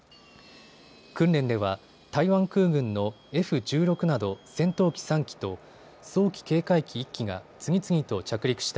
訓練では台湾空軍のＦ１６など戦闘機３機と早期警戒機１機が次々と着陸した